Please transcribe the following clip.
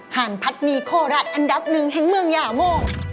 หารพัดหมี่โคราชอันดับหนึ่งแห่งเมืองยาโม